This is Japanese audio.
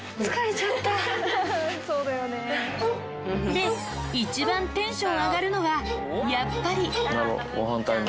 で、一番テンション上がるのごはんタイム。